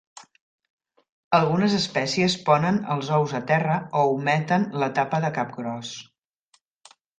Algunes espècies ponen els ous a terra o ometen l'etapa de capgròs.